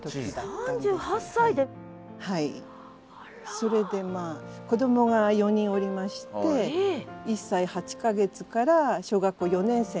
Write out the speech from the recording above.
それでまあ子どもが４人おりまして１歳８か月から小学校４年生まで。